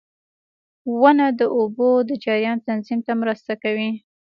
• ونه د اوبو د جریان تنظیم ته مرسته کوي.